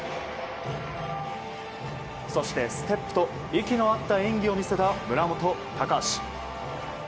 そして、ステップと息の合った演技を見せた村元、高橋。